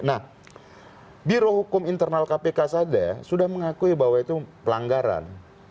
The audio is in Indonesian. nah birohukum internal kpk saja sudah mengakui bahwa itu pelanggaran